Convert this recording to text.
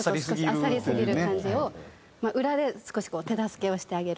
あっさりすぎる感じを裏で少し手助けをしてあげる。